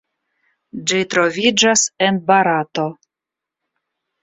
Ĝi troviĝas en Barato.